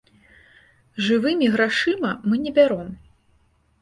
Жывымі грашыма мы не бяром.